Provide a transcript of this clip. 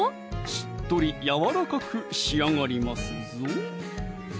しっとりやわらかく仕上がりますぞ！